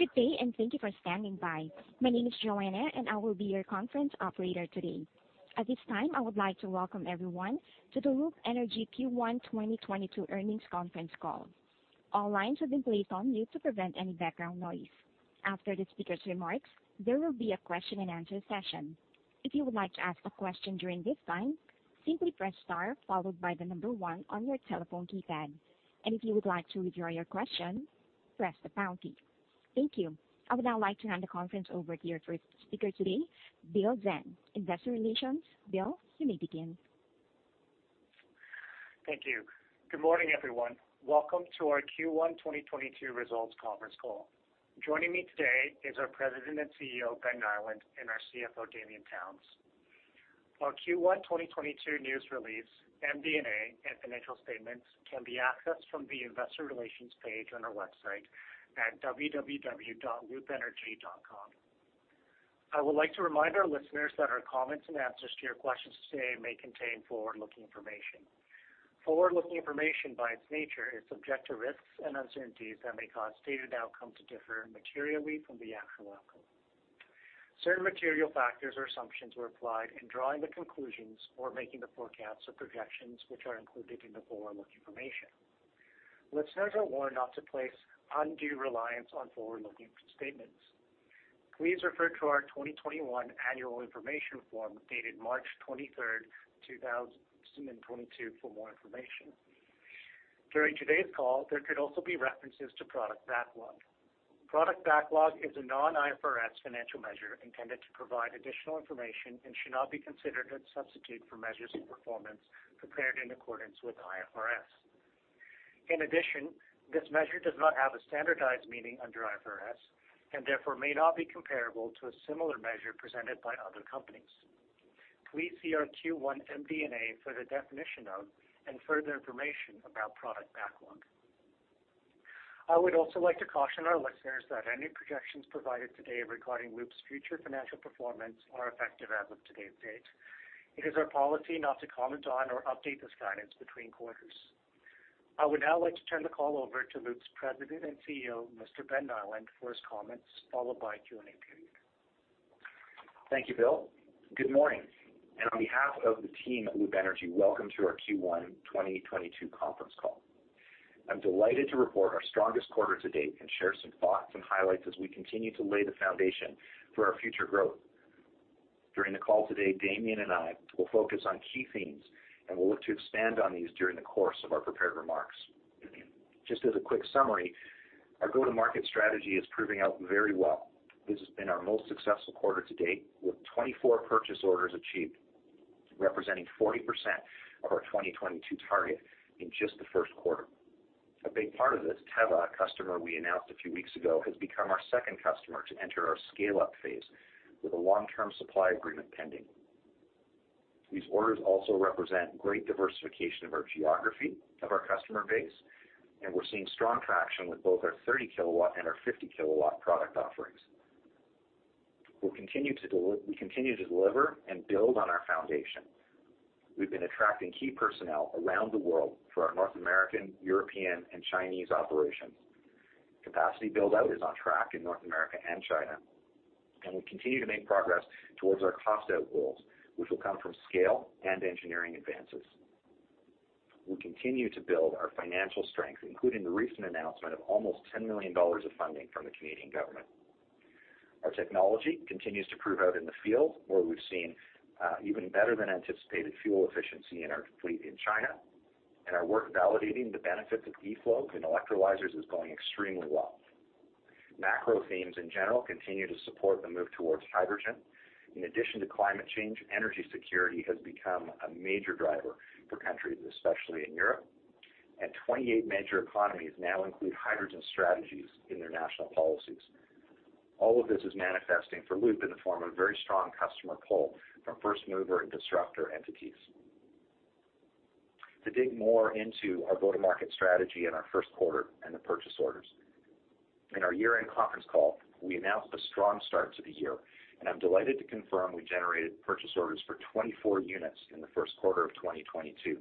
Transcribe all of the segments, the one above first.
Good day, and thank you for standing by. My name is Joanna, and I will be your conference operator today. At this time, I would like to welcome everyone to the Loop Energy Q1 2022 Earnings Conference Call. All lines have been placed on mute to prevent any background noise. After the speaker's remarks, there will be a question-and-answer session. If you would like to ask a question during this time, simply press star followed by the number one on your telephone keypad. If you would like to withdraw your question, press the pound key. Thank you. I would now like to hand the conference over to your first speaker today, Bill Zhang, Investor Relations. Bill, you may begin. Thank you. Good morning, everyone. Welcome to our Q1 2022 results conference call. Joining me today is our President and CEO, Ben Nyland, and our CFO, Damian Towns. Our Q1 2022 news release, MD&A, and financial statements can be accessed from the investor relations page on our website at www.loopenergy.com. I would like to remind our listeners that our comments and answers to your questions today may contain forward-looking information. Forward-looking information, by its nature, is subject to risks and uncertainties that may cause stated outcome to differ materially from the actual outcome. Certain material factors or assumptions were applied in drawing the conclusions or making the forecasts or projections, which are included in the forward-looking information. Listeners are warned not to place undue reliance on forward-looking statements. Please refer to our 2021 annual information form dated March 23rd, 2022 for more information. During today's call, there could also be references to product backlog. Product backlog is a non-IFRS financial measure intended to provide additional information and should not be considered a substitute for measures of performance prepared in accordance with IFRS. In addition, this measure does not have a standardized meaning under IFRS and therefore may not be comparable to a similar measure presented by other companies. Please see our Q1 MD&A for the definition of and further information about product backlog. I would also like to caution our listeners that any projections provided today regarding Loop's future financial performance are effective as of today's date. It is our policy not to comment on or update this guidance between quarters. I would now like to turn the call over to Loop's President and CEO, Mr. Ben Nyland, for his comments, followed by a Q&A period. Thank you, Bill. Good morning. On behalf of the team at Loop Energy, welcome to our Q1 2022 conference call. I'm delighted to report our strongest quarter to date and share some thoughts and highlights as we continue to lay the foundation for our future growth. During the call today, Damian and I will focus on key themes, and we'll look to expand on these during the course of our prepared remarks. Just as a quick summary, our go-to-market strategy is proving out very well. This has been our most successful quarter to date, with 24 purchase orders achieved, representing 40% of our 2022 target in just the first quarter. A big part of this, Tevva, a customer we announced a few weeks ago, has become our second customer to enter our scale-up phase with a long-term supply agreement pending. These orders also represent great diversification of our geography, of our customer base, and we're seeing strong traction with both our 30 kW and our 50 kW product offerings. We continue to deliver and build on our foundation. We've been attracting key personnel around the world for our North American, European, and Chinese operations. Capacity build-out is on track in North America and China, and we continue to make progress towards our cost-out goals, which will come from scale and engineering advances. We continue to build our financial strength, including the recent announcement of almost 10 million dollars of funding from the Canadian government. Our technology continues to prove out in the field, where we've seen even better than anticipated fuel efficiency in our fleet in China, and our work validating the benefits of eFlow in electrolyzers is going extremely well. Macro themes in general continue to support the move towards hydrogen. In addition to climate change, energy security has become a major driver for countries, especially in Europe, and 28 major economies now include hydrogen strategies in their national policies. All of this is manifesting for Loop in the form of very strong customer pull from first mover and disruptor entities. To dig more into our go-to-market strategy in our first quarter and the purchase orders. In our year-end conference call, we announced a strong start to the year, and I'm delighted to confirm we generated purchase orders for 24 units in the first quarter of 2022.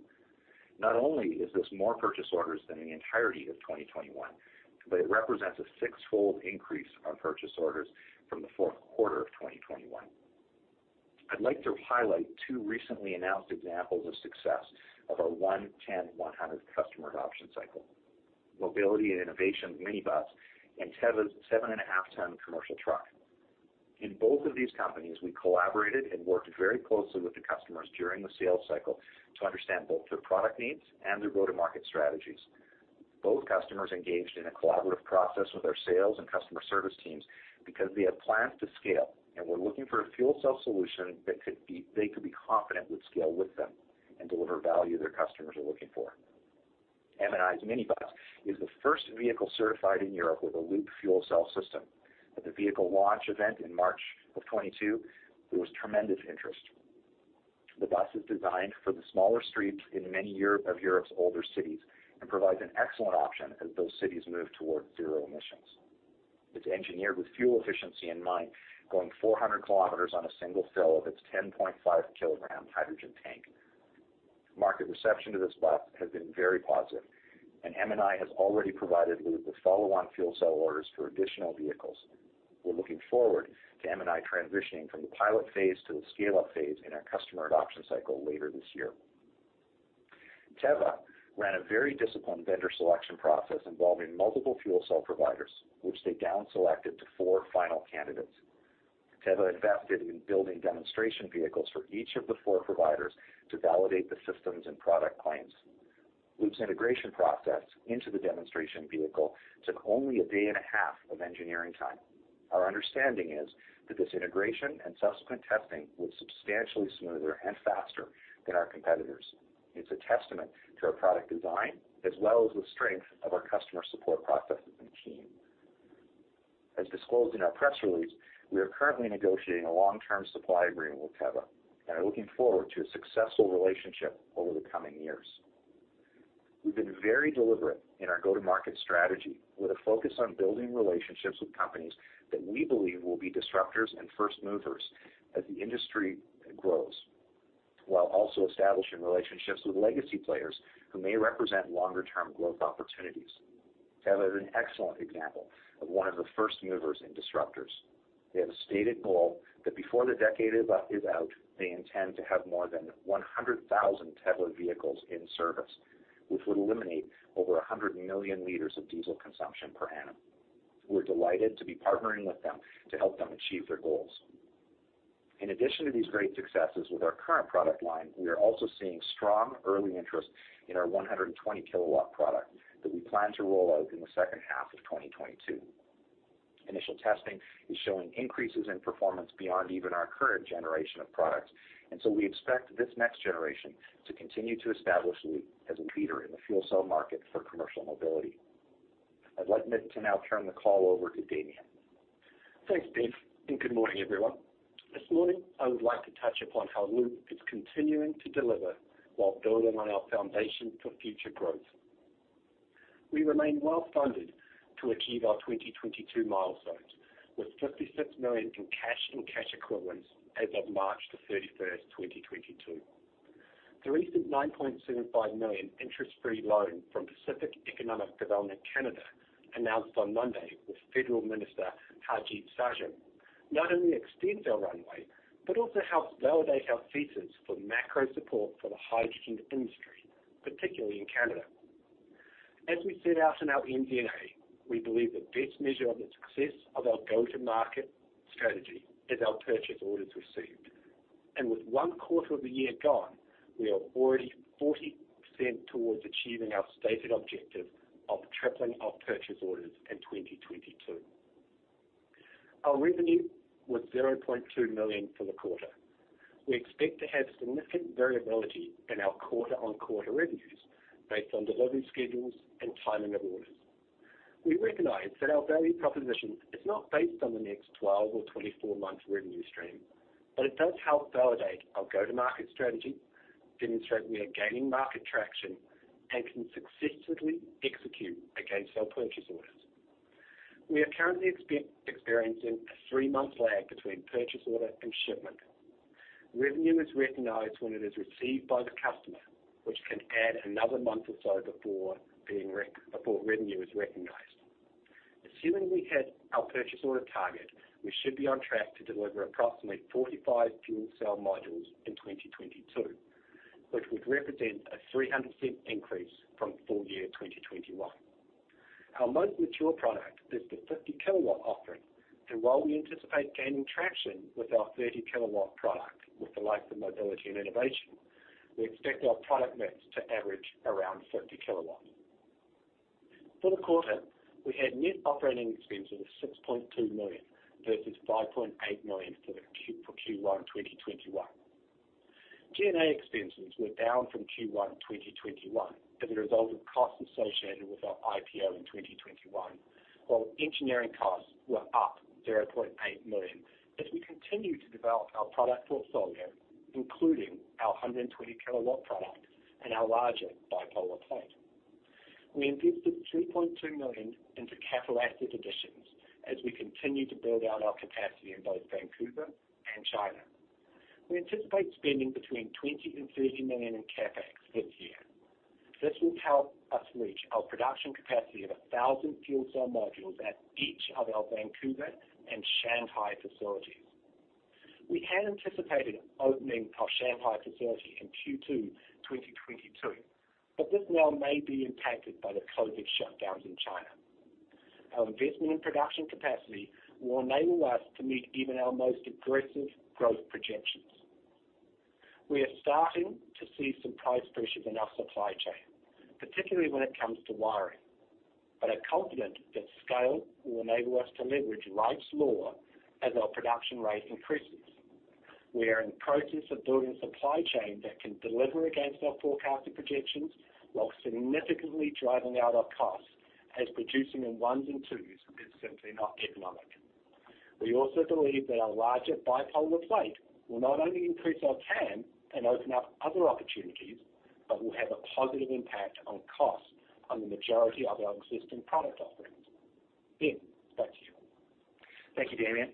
Not only is this more purchase orders than the entirety of 2021, but it represents a six-fold increase on purchase orders from the fourth quarter of 2021. I'd like to highlight two recently announced examples of success of our 1-10-100 customer adoption cycle, Mobility & Innovation's minibus, and Tevva's 7.5-ton commercial truck. In both of these companies, we collaborated and worked very closely with the customers during the sales cycle to understand both their product needs and their go-to-market strategies. Both customers engaged in a collaborative process with our sales and customer service teams because they had plans to scale and were looking for a fuel cell solution they could be confident would scale with them and deliver value their customers are looking for. M&I's minibus is the first vehicle certified in Europe with a Loop fuel cell system. At the vehicle launch event in March of 2022, there was tremendous interest. The bus is designed for the smaller streets in many of Europe's older cities and provides an excellent option as those cities move toward zero emissions. It's engineered with fuel efficiency in mind, going 400 km on a single fill of its 10.5 kg hydrogen tank. Market reception to this bus has been very positive, and M&I has already provided Loop with follow-on fuel cell orders for additional vehicles. We're looking forward to M&I transitioning from the pilot phase to the scale-up phase in our customer adoption cycle later this year. Tevva ran a very disciplined vendor selection process involving multiple fuel cell providers, which they down selected to four final candidates. Tevva invested in building demonstration vehicles for each of the four providers to validate the systems and product claims. Loop's integration process into the demonstration vehicle took only a day and a half of engineering time. Our understanding is that this integration and subsequent testing was substantially smoother and faster than our competitors. It's a testament to our product design as well as the strength of our customer support processes and team. As disclosed in our press release, we are currently negotiating a long-term supply agreement with Tevva and are looking forward to a successful relationship over the coming years. We've been very deliberate in our go-to-market strategy with a focus on building relationships with companies that we believe will be disruptors and first movers as the industry grows, while also establishing relationships with legacy players who may represent longer-term growth opportunities. Tevva is an excellent example of one of the first movers and disruptors. They have a stated goal that before the decade is out, they intend to have more than 100,000 Tevva vehicles in service, which would eliminate over 100 million liters of diesel consumption per annum. We're delighted to be partnering with them to help them achieve their goals. In addition to these great successes with our current product line, we are also seeing strong early interest in our 120 kW product that we plan to roll out in the second half of 2022. Initial testing is showing increases in performance beyond even our current generation of products, and so we expect this next generation to continue to establish Loop as a leader in the fuel cell market for commercial mobility. I'd like next to now turn the call over to Damian. Thanks, Ben Nyland, and good morning, everyone. This morning, I would like to touch upon how Loop is continuing to deliver while building on our foundation for future growth. We remain well funded to achieve our 2022 milestones with 56 million in cash and cash equivalents as of March 31st, 2022. The recent 9.05 million interest-free loan from Pacific Economic Development Canada announced on Monday with Federal Minister Harjit Sajjan not only extends our runway but also helps validate our thesis for macro support for the hydrogen industry, particularly in Canada. As we set out in our MD&A, we believe the best measure of the success of our go-to-market strategy is our purchase orders received. With one quarter of the year gone, we are already 40% towards achieving our stated objective of tripling our purchase orders in 2022. Our revenue was 0.2 million for the quarter. We expect to have significant variability in our quarter-on-quarter revenues based on delivery schedules and timing of orders. We recognize that our value proposition is not based on the next 12 or 24 months revenue stream, but it does help validate our go-to-market strategy, demonstrate we are gaining market traction, and can successfully execute against our purchase orders. We are currently experiencing a three-month lag between purchase order and shipment. Revenue is recognized when it is received by the customer, which can add another month or so before revenue is recognized. Assuming we hit our purchase order target, we should be on track to deliver approximately 45 fuel cell modules in 2022, which would represent a 300% increase from full year 2021. Our most mature product is the 50 kW offering. While we anticipate gaining traction with our 30 kW product with the likes of Mobility & Innovation, we expect our product mix to average around 50 kW. For the quarter, we had net operating expenses of 6.2 million versus 5.8 million for Q1 2021. G&A expenses were down from Q1 2021 as a result of costs associated with our IPO in 2021, while engineering costs were up 0.8 million as we continue to develop our product portfolio, including our 120 kW product and our larger bipolar plate. We invested 3.2 million into capital asset additions as we continue to build out our capacity in both Vancouver and China. We anticipate spending between 20 million and 30 million in CapEx this year. This will help us reach our production capacity of 1,000 fuel cell modules at each of our Vancouver and Shanghai facilities. We had anticipated opening our Shanghai facility in Q2 2022, but this now may be impacted by the COVID shutdowns in China. Our investment and production capacity will enable us to meet even our most aggressive growth projections. We are starting to see some price pressures in our supply chain, particularly when it comes to wiring. We are confident that scale will enable us to leverage Wright's Law as our production rate increases. We are in the process of building a supply chain that can deliver against our forecasted projections while significantly driving out our costs as producing in ones and twos is simply not economic. We also believe that our larger bipolar plate will not only increase our TAM and open up other opportunities, but will have a positive impact on cost on the majority of our existing product offerings. Ben, back to you. Thank you, Damian.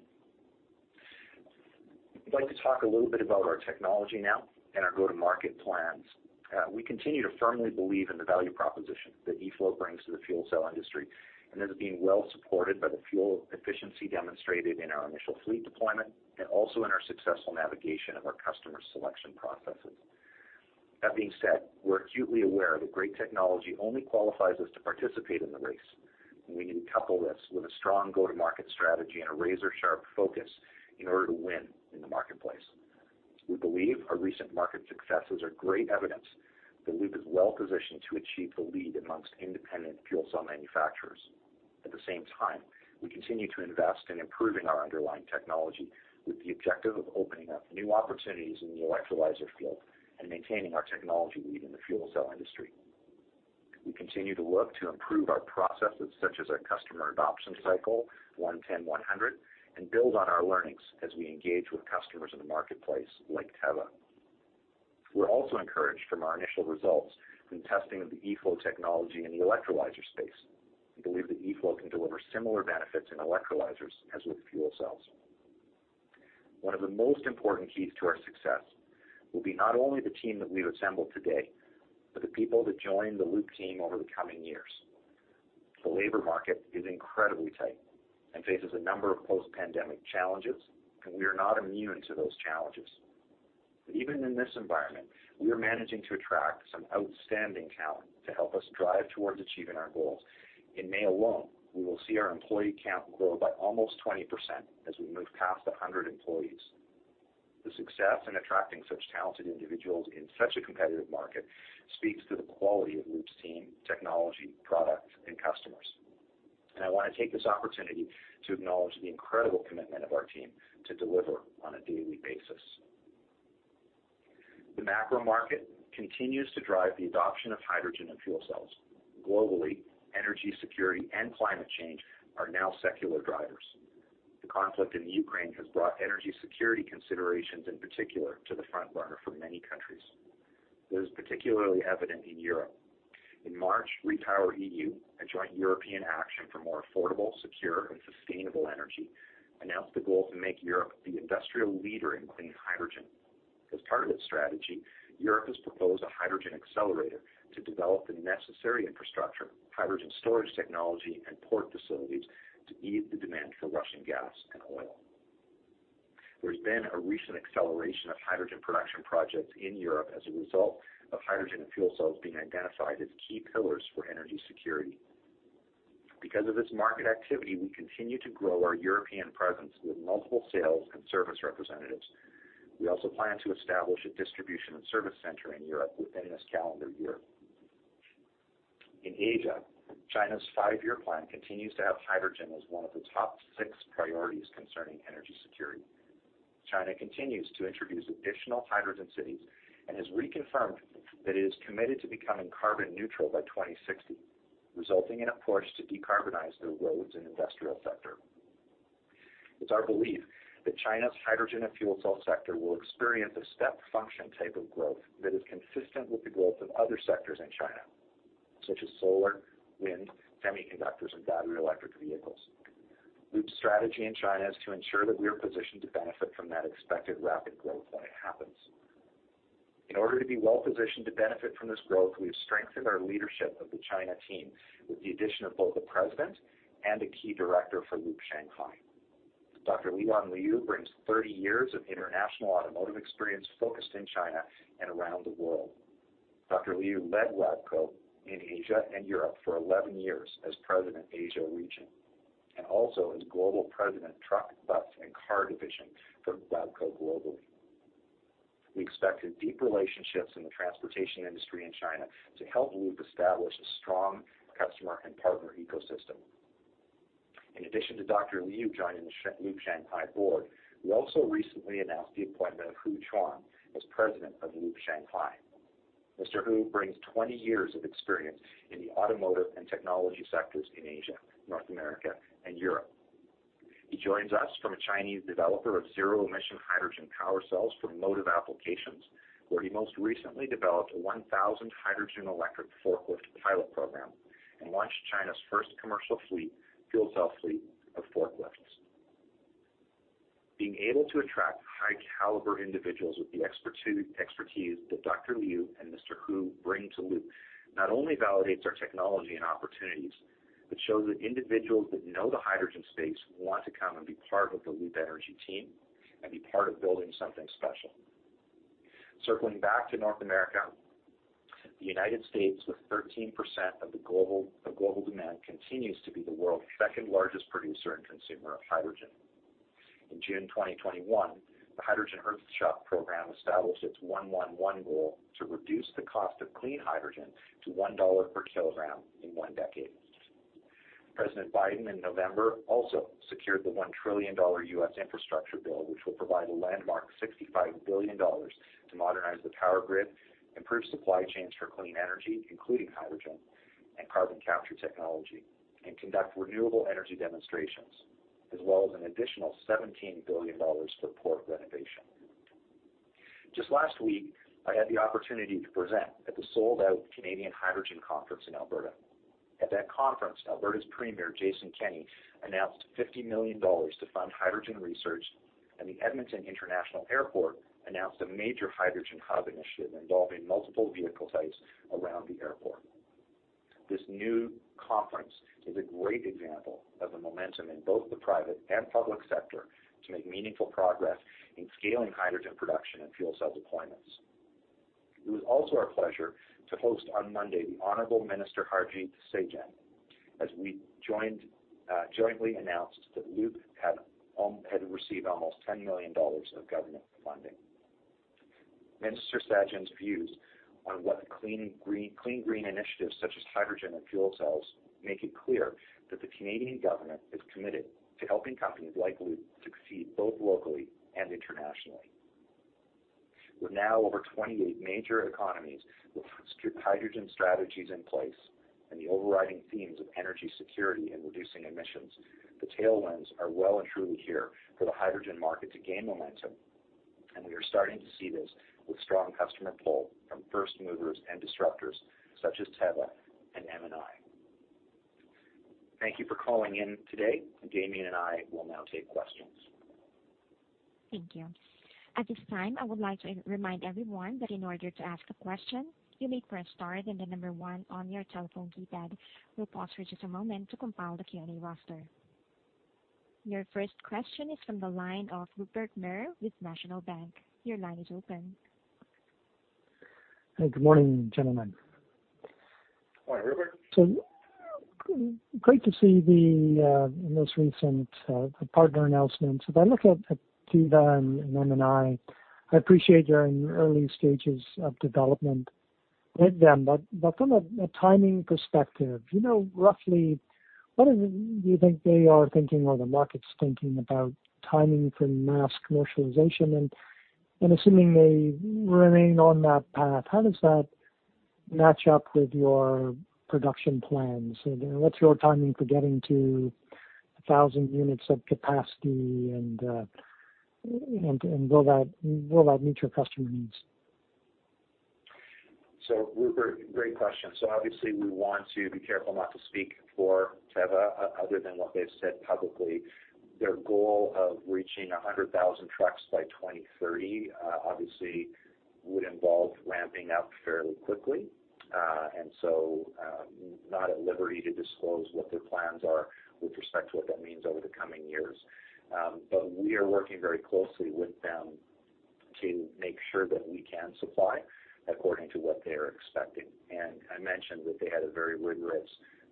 I'd like to talk a little bit about our technology now and our go-to-market plans. We continue to firmly believe in the value proposition that eFlow brings to the fuel cell industry, and this is being well supported by the fuel efficiency demonstrated in our initial fleet deployment and also in our successful navigation of our customer selection processes. That being said, we're acutely aware that great technology only qualifies us to participate in the race, and we need to couple this with a strong go-to-market strategy and a razor-sharp focus in order to win in the marketplace. We believe our recent market successes are great evidence that Loop is well-positioned to achieve the lead amongst independent fuel cell manufacturers. At the same time, we continue to invest in improving our underlying technology with the objective of opening up new opportunities in the electrolyzer field and maintaining our technology lead in the fuel cell industry. We continue to look to improve our processes such as our customer adoption cycle, 1-10-100, and build on our learnings as we engage with customers in the marketplace like Tevva. We're also encouraged from our initial results in testing of the eFlow technology in the electrolyzer space. We believe that eFlow can deliver similar benefits in electrolyzers as with fuel cells. One of the most important keys to our success will be not only the team that we've assembled today, but the people that join the Loop team over the coming years. The labor market is incredibly tight and faces a number of post-pandemic challenges, and we are not immune to those challenges. Even in this environment, we are managing to attract some outstanding talent to help us drive towards achieving our goals. In May alone, we will see our employee count grow by almost 20% as we move past 100 employees. The success in attracting such talented individuals in such a competitive market speaks to the quality of Loop's team, technology, product, and customers. I wanna take this opportunity to acknowledge the incredible commitment of our team to deliver on a daily basis. The macro market continues to drive the adoption of hydrogen and fuel cells. Globally, energy security and climate change are now secular drivers. The conflict in Ukraine has brought energy security considerations, in particular, to the front burner for many countries. It is particularly evident in Europe. In March, REPowerEU, a joint European action for more affordable, secure, and sustainable energy, announced the goal to make Europe the industrial leader in clean hydrogen. As part of its strategy, Europe has proposed a hydrogen accelerator to develop the necessary infrastructure, hydrogen storage technology, and port facilities to ease the demand for Russian gas and oil. There's been a recent acceleration of hydrogen production projects in Europe as a result of hydrogen and fuel cells being identified as key pillars for energy security. Because of this market activity, we continue to grow our European presence with multiple sales and service representatives. We also plan to establish a distribution and service center in Europe within this calendar year. In Asia, China's five-year plan continues to have hydrogen as one of the top six priorities concerning energy security. China continues to introduce additional hydrogen cities and has reconfirmed that it is committed to becoming carbon neutral by 2060, resulting in a push to decarbonize their roads and industrial sector. It's our belief that China's hydrogen and fuel cell sector will experience a step function type of growth that is consistent with the growth of other sectors in China, such as solar, wind, semiconductors, and battery electric vehicles. Loop's strategy in China is to ensure that we are positioned to benefit from that expected rapid growth when it happens. In order to be well-positioned to benefit from this growth, we have strengthened our leadership of the China team with the addition of both a president and a key director for Loop Shanghai. Dr. Leon Liu brings 30 years of international automotive experience focused in China and around the world. Dr. Liu led WABCO in Asia and Europe for 11 years as President, Asia region, and also as Global President, Truck, Bus, and Car Division for WABCO globally. We expect his deep relationships in the transportation industry in China to help Loop establish a strong customer and partner ecosystem. In addition to Dr. Leon Liu joining the Loop Shanghai board, we also recently announced the appointment of Hu Quan as President of Loop Shanghai. Mr. Hu brings 20 years of experience in the automotive and technology sectors in Asia, North America, and Europe. He joins us from a Chinese developer of zero-emission hydrogen fuel cells for motive applications, where he most recently developed a 1,000 hydrogen electric forklift pilot program and launched China's first commercial fuel cell fleet of forklifts. Being able to attract high caliber individuals with the expertise that Dr. Leon Liu and Mr. Hu brings to Loop not only validates our technology and opportunities, but shows that individuals that know the hydrogen space want to come and be part of the Loop Energy team and be part of building something special. Circling back to North America, the United States, with 13% of the global demand, continues to be the world's second-largest producer and consumer of hydrogen. In June 2021, the Hydrogen Shot established its 1-1-1 goal to reduce the cost of clean hydrogen to 1 dollar per kilogram in one decade. President Biden in November also secured the 1 trillion dollar U.S. infrastructure bill, which will provide a landmark 65 billion dollars to modernize the power grid, improve supply chains for clean energy, including hydrogen and carbon capture technology, and conduct renewable energy demonstrations, as well as an additional 17 billion dollars for port readiness. Just last week, I had the opportunity to present at the sold-out Canadian Hydrogen conference in Alberta. At that conference, Alberta's Premier, Jason Kenney, announced 50 million dollars to fund hydrogen research, and the Edmonton International Airport announced a major hydrogen hub initiative involving multiple vehicle types around the airport. This new conference is a great example of the momentum in both the private and public sector to make meaningful progress in scaling hydrogen production and fuel cell deployments. It was also our pleasure to host on Monday the Honorable Minister Harjit Sajjan, as we jointly announced that Loop had received almost 10 million dollars of government funding. Minister Sajjan's views on what the clean green initiatives such as hydrogen and fuel cells make it clear that the Canadian government is committed to helping companies like Loop to succeed both locally and internationally. With now over 28 major economies with hydrogen strategies in place and the overriding themes of energy security and reducing emissions, the tailwinds are well and truly here for the hydrogen market to gain momentum, and we are starting to see this with strong customer pull from first movers and disruptors such as Tevva and M&I. Thank you for calling in today. Damian and I will now take questions. Thank you. At this time, I would like to remind everyone that in order to ask a question, you may press star then the number one on your telephone keypad. We'll pause for just a moment to compile the Q&A roster. Your first question is from the line of Rupert Merer with National Bank. Your line is open. Good morning, gentlemen. Morning, Rupert. Great to see the most recent partner announcements. If I look at Tevva and M&I appreciate you're in early stages of development with them. But from a timing perspective, you know roughly what is it you think they are thinking or the market's thinking about timing for mass commercialization? Assuming they remain on that path, how does that match up with your production plans? What's your timing for getting to 1,000 units of capacity? Will that meet your customer needs? Rupert, great question. Obviously we want to be careful not to speak for Tevva other than what they've said publicly. Their goal of reaching 100,000 trucks by 2030 obviously would involve ramping up fairly quickly. Not at liberty to disclose what their plans are with respect to what that means over the coming years. We are working very closely with them to make sure that we can supply according to what they are expecting. I mentioned that they had a very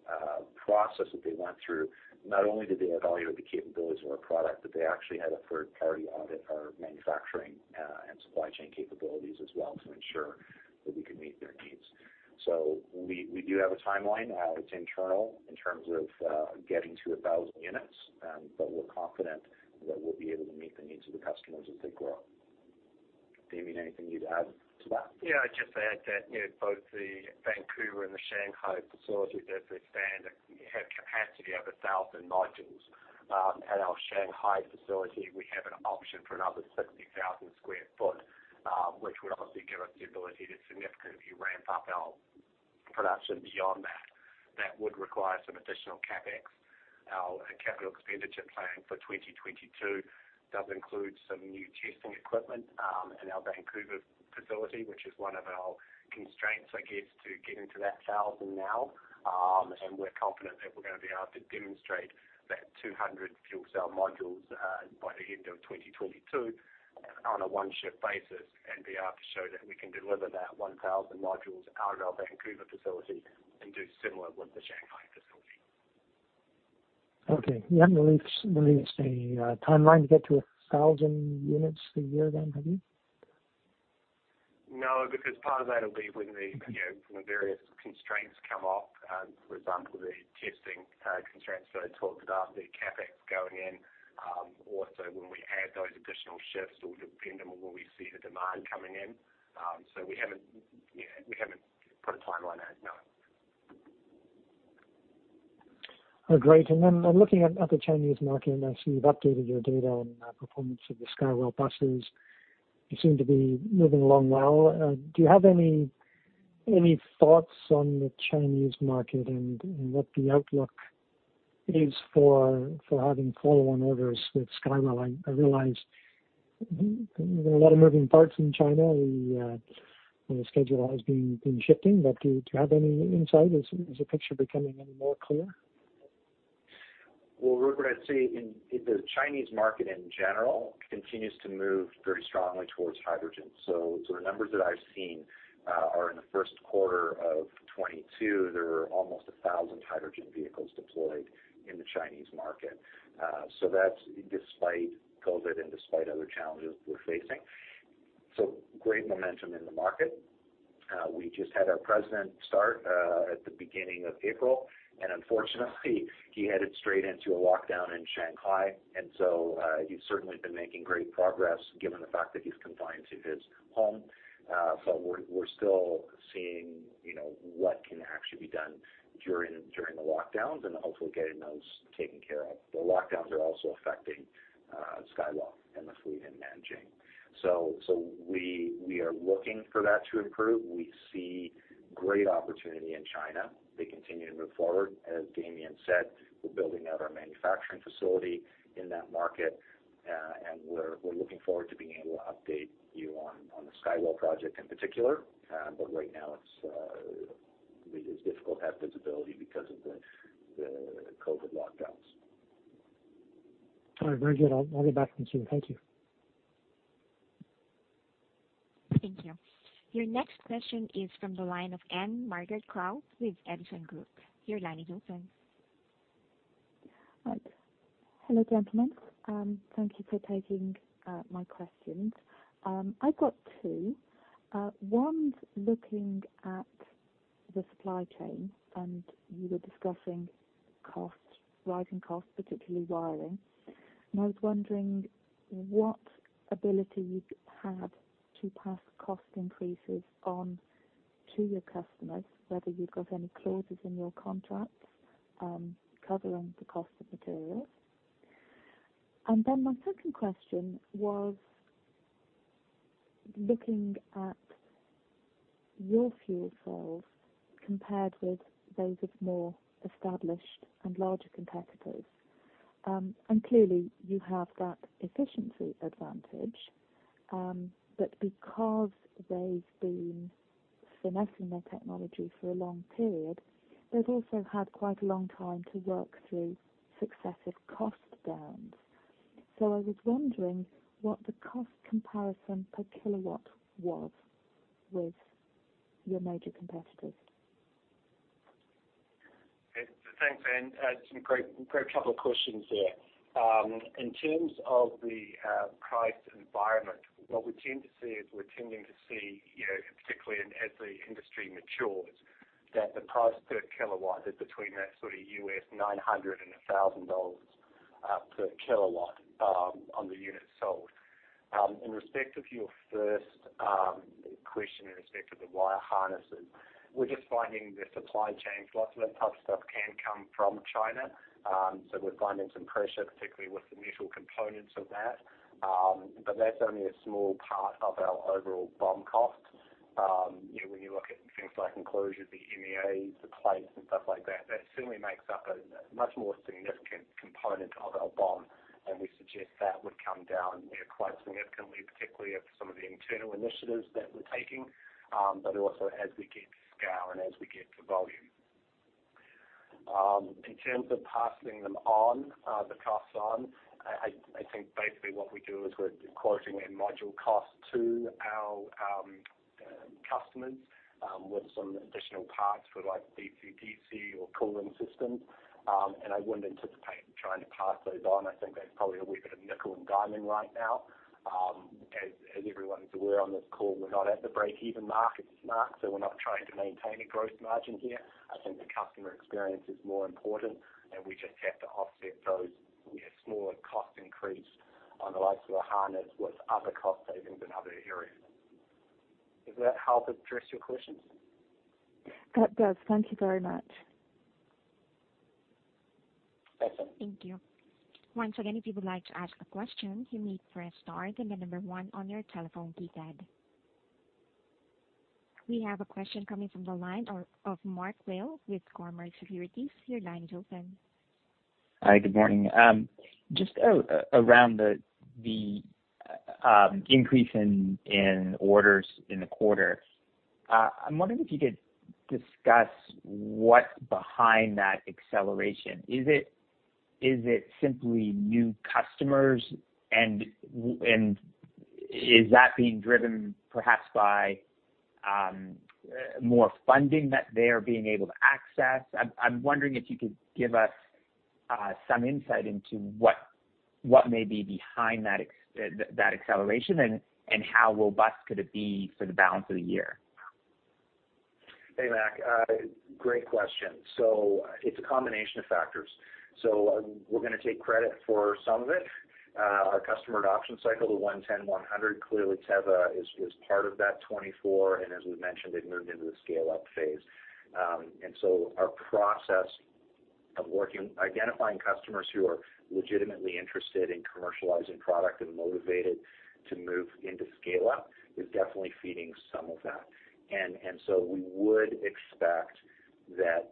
rigorous process that they went through. Not only did they evaluate the capabilities of our product, but they actually had a third-party audit our manufacturing and supply chain capabilities as well to ensure that we can meet their needs. We do have a timeline. It's internal in terms of getting to 1,000 units. We're confident that we'll be able to meet the needs of the customers as they grow. Damian, anything you'd add to that? Yeah, just to add to that, you know, both the Vancouver and the Shanghai facilities as they stand have capacity of 1,000 modules. At our Shanghai facility, we have an option for another 60,000 sq ft, which would obviously give us the ability to significantly ramp up our production beyond that. That would require some additional CapEx. Our capital expenditure plan for 2022 does include some new testing equipment in our Vancouver facility, which is one of our constraints, I guess, to getting to that 1,000 now. We're confident that we're gonna be able to demonstrate that 200 fuel cell modules by the end of 2022 on a one-shift basis and be able to show that we can deliver that 1,000 modules out of our Vancouver facility and do similar with the Shanghai facility. You haven't released a timeline to get to 1,000 units a year then, have you? No, because part of that will be when the, you know, when the various constraints come off. For example, the testing constraints that I talked about, the CapEx going in. Also, when we add those additional shifts will depend on when we see the demand coming in. So we haven't put a timeline out, no. Oh, great. I'm looking at the Chinese market, and I see you've updated your data on performance of the Skywell buses. You seem to be moving along well. Do you have any thoughts on the Chinese market and what the outlook is for having follow-on orders with Skywell? I realize there are a lot of moving parts in China. The schedule has been shifting, but do you have any insight? Is the picture becoming any more clear? Well, Rupert, I'd say in the Chinese market in general continues to move very strongly towards hydrogen. The numbers that I've seen are in the first quarter of 2022, there were almost 1,000 hydrogen vehicles deployed in the Chinese market. That's despite COVID and despite other challenges we're facing. Great momentum in the market. We just had our president start at the beginning of April, and unfortunately, he headed straight into a lockdown in Shanghai. He's certainly been making great progress given the fact that he's confined to his home. But we're still seeing, you know, what can actually be done during the lockdowns and hopefully getting those taken care of. The lockdowns are also affecting Skywell and the fleet in Nanjing. We are looking for that to improve. We see great opportunity in China. They continue to move forward. As Damian said, we're building out our manufacturing facility in that market, and we're looking forward to being able to update you on the Skywell project in particular. Right now, it is difficult to have visibility because of the COVID lockdowns. All right, Ben, I'll get back with you. Thank you. Thank you. Your next question is from the line of Anne Margaret Crow with Edison Group. Your line is open. Hello, gentlemen. Thank you for taking my questions. I've got two. One's looking at the supply chain, and you were discussing costs, rising costs, particularly wiring. I was wondering what ability you've had to pass cost increases on to your customers, whether you've got any clauses in your contracts covering the cost of materials. My second question was looking at your fuel cells compared with those of more established and larger competitors. Clearly, you have that efficiency advantage. But because they've been finessing their technology for a long period, they've also had quite a long time to work through successive cost downs. I was wondering what the cost comparison per kilowatt was with your major competitors. Thanks, Anne. Some great couple of questions there. In terms of the price environment, what we tend to see is, you know, particularly as the industry matures, that the price per kilowatt is between that sort of $900-$1,000 per kilowatt on the units sold. In respect of your first question in respect to the wire harnesses, we're just finding the supply chains, lots of that type of stuff can come from China. So we're finding some pressure, particularly with the metal components of that. But that's only a small part of our overall BOM cost. You know, when you look at things like enclosure, the MEAs, the plates and stuff like that certainly makes up a much more significant component of our BOM, and we suggest that would come down, you know, quite significantly, particularly from some of the internal initiatives that we're taking, but also as we get scale and as we get the volume. In terms of passing them on, the costs on, I think basically what we do is we're quoting our module cost to our customers, with some additional parts for like DC/DC or cooling systems. I wouldn't anticipate trying to pass those on. I think that's probably a wee bit of nickel and diming right now. As everyone is aware on this call, we're not at the break-even mark, it's marked, so we're not trying to maintain a growth margin here. I think the customer experience is more important, and we just have to offset those, you know, smaller cost increase on the likes of a harness with other cost savings in other areas. Does that help address your questions? That does. Thank you very much. No problem. Thank you. Once again, if you would like to ask a question, you need to press star then the number one on your telephone keypad. We have a question coming from the line of Mac Whale with Cormark Securities. Your line is open. Hi, good morning. Just around the increase in orders in the quarter, I'm wondering if you could discuss what's behind that acceleration. Is it simply new customers? Is that being driven perhaps by more funding that they are being able to access? I'm wondering if you could give us some insight into what may be behind that acceleration and how robust could it be for the balance of the year. Hey, Mac. Great question. It's a combination of factors. We're gonna take credit for some of it. Our customer adoption cycle, the 1-10-100, clearly Tevva is part of that 24, and as we've mentioned, they've moved into the scale-up phase. Our process of working, identifying customers who are legitimately interested in commercializing product and motivated to move into scale-up is definitely feeding some of that. We would expect that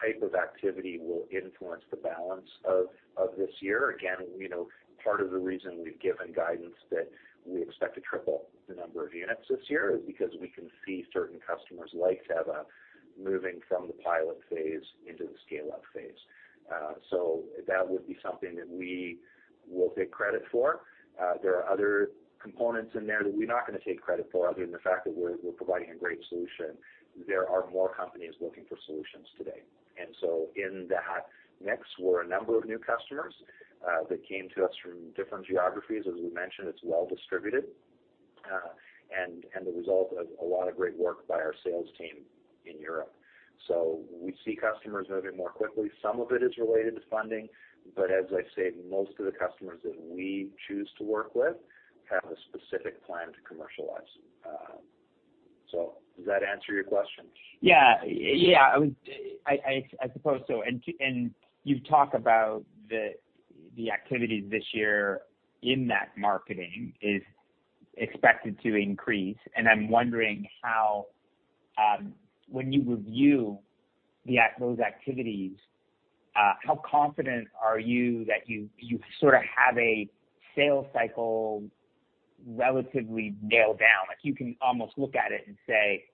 type of activity will influence the balance of this year. Again, you know, part of the reason we've given guidance that we expect to triple the number of units this year is because we can see certain customers like Tevva moving from the pilot phase into the scale-up phase. So that would be something that we will take credit for. There are other components in there that we're not gonna take credit for other than the fact that we're providing a great solution. There are more companies looking for solutions today. In that mix were a number of new customers that came to us from different geographies. As we mentioned, it's well distributed, and the result of a lot of great work by our sales team in Europe. We see customers moving more quickly. Some of it is related to funding, but as I say, most of the customers that we choose to work with have a specific plan to commercialize. Does that answer your question? Yeah. I suppose so. You've talked about the activities this year in that marketing is expected to increase. I'm wondering how, when you review those activities, how confident are you that you sort of have a sales cycle relatively nailed down? Like, you can almost look at it and say,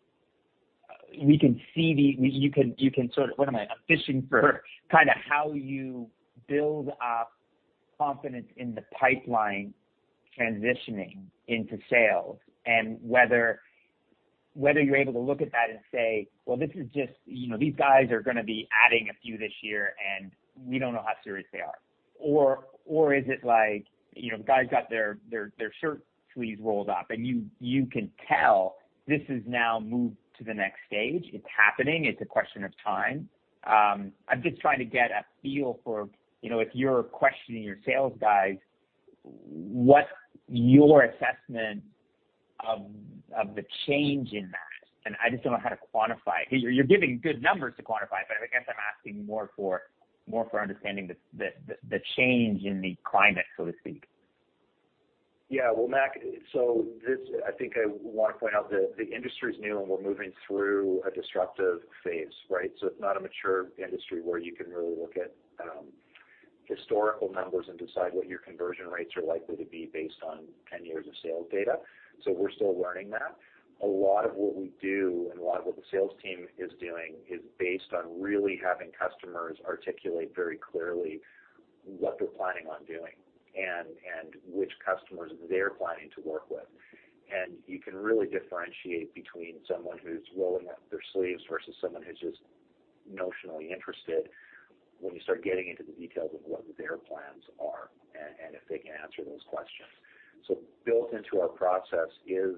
we can see the. You can sort of. What am I? I'm fishing for kinda how you build up confidence in the pipeline transitioning into sales and whether you're able to look at that and say, "Well, this is just, you know, these guys are gonna be adding a few this year, and we don't know how serious they are." Or is it like, you know, the guy's got their shirt sleeves rolled up, and you can tell this is now moved to the next stage. It's happening. It's a question of time. I'm just trying to get a feel for, you know, if you're questioning your sales guys, what's your assessment of the change in that? And I just don't know how to quantify it. You're giving good numbers to quantify it, but I guess I'm asking more for understanding the change in the climate, so to speak. Yeah. Well, Mac, this, I think I wanna point out that the industry is new, and we're moving through a disruptive phase, right? It's not a mature industry where you can really look at historical numbers and decide what your conversion rates are likely to be based on ten years of sales data. We're still learning that. A lot of what we do and a lot of what the sales team is doing is based on really having customers articulate very clearly what they're planning on doing and which customers they're planning to work with. You can really differentiate between someone who's rolling up their sleeves versus someone who's just notionally interested when you start getting into the details of what their plans are and if they can answer those questions. Built into our process is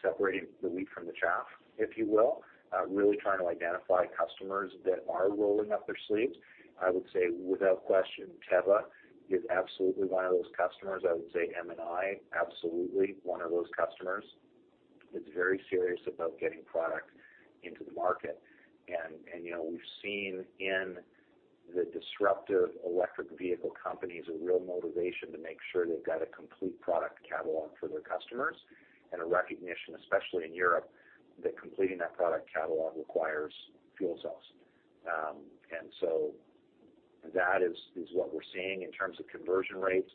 separating the wheat from the chaff, if you will, really trying to identify customers that are rolling up their sleeves. I would say, without question, Tevva is absolutely one of those customers. I would say M&I, absolutely one of those customers. It's very serious about getting product into the market. You know, we've seen in the disruptive electric vehicle companies a real motivation to make sure they've got a complete product catalog for their customers and a recognition, especially in Europe, that completing that product catalog requires fuel cells. That is what we're seeing in terms of conversion rates.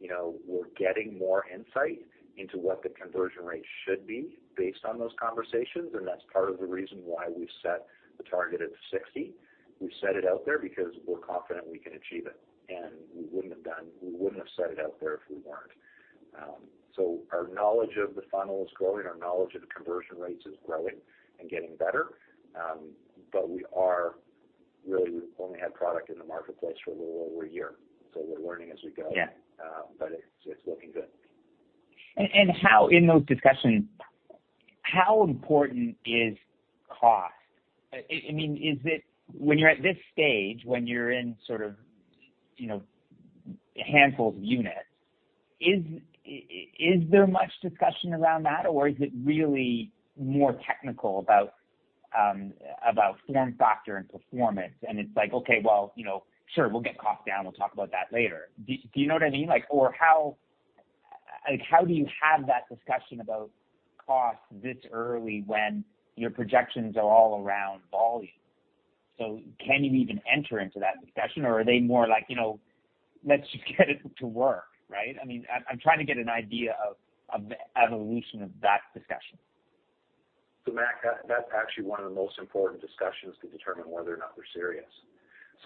You know, we're getting more insight into what the conversion rate should be based on those conversations, and that's part of the reason why we've set the target at 60%. We've set it out there because we're confident we can achieve it, and we wouldn't have set it out there if we weren't. Our knowledge of the funnel is growing, our knowledge of the conversion rates is growing and getting better. We've really only had product in the marketplace for a little over a year, so we're learning as we go. Yeah. It's looking good. How, in those discussions, how important is cost? I mean, is it when you're at this stage, when you're in sort of, you know, handful of units, is there much discussion around that, or is it really more technical about about form factor and performance, and it's like, okay, well, you know, sure, we'll get cost down. We'll talk about that later. Do you know what I mean? Like, or how. Like, how do you have that discussion about cost this early when your projections are all around volume? Can you even enter into that discussion, or are they more like, you know, let's just get it to work, right? I mean, I'm trying to get an idea of the evolution of that discussion. Mac, that's actually one of the most important discussions to determine whether or not they're serious.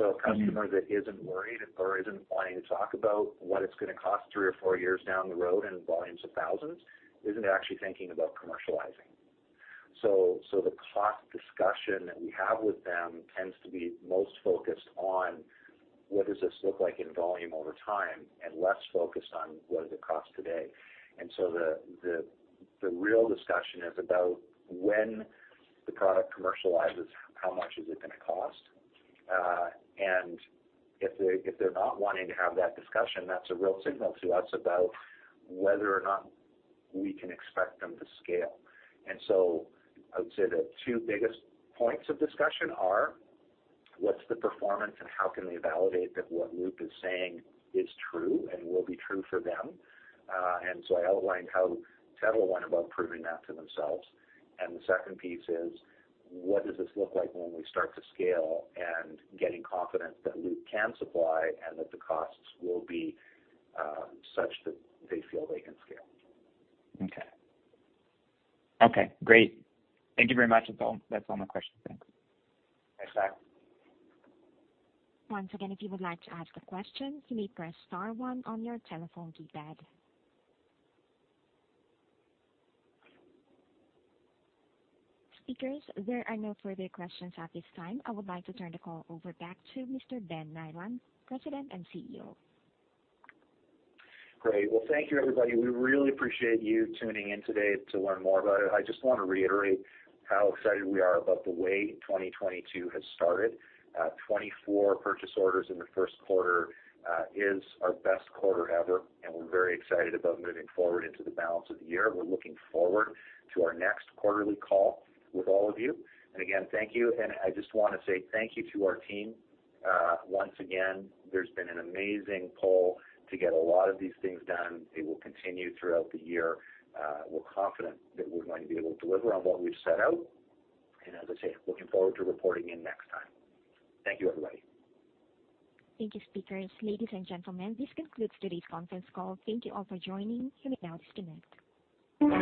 Mm-hmm. A customer that isn't worried or isn't wanting to talk about what it's gonna cost three or four years down the road in volumes of thousands isn't actually thinking about commercializing. The cost discussion that we have with them tends to be most focused on what does this look like in volume over time and less focused on what does it cost today. The real discussion is about when the product commercializes, how much is it gonna cost? If they're not wanting to have that discussion, that's a real signal to us about whether or not we can expect them to scale. I would say the two biggest points of discussion are what's the performance and how can we validate that what Loop is saying is true and will be true for them. I outlined how Tevva went about proving that to themselves. The second piece is what does this look like when we start to scale and getting confidence that Loop can supply and that the costs will be such that they feel they can scale? Okay. Okay, great. Thank you very much. That's all my questions. Thanks. Thanks, Mac. Once again, if you would like to ask a question, you may press star one on your telephone keypad. Speakers, there are no further questions at this time. I would like to turn the call back over to Mr. Ben Nyland, President and CEO. Great. Well, thank you everybody. We really appreciate you tuning in today to learn more about it. I just wanna reiterate how excited we are about the way 2022 has started. 24 purchase orders in the first quarter is our best quarter ever, and we're very excited about moving forward into the balance of the year. We're looking forward to our next quarterly call with all of you. Again, thank you. I just wanna say thank you to our team. Once again, there's been an amazing pull to get a lot of these things done. It will continue throughout the year. We're confident that we're going to be able to deliver on what we've set out. As I say, looking forward to reporting in next time. Thank you, everybody. Thank you, speakers. Ladies and gentlemen, this concludes today's conference call. Thank you all for joining. You may now disconnect.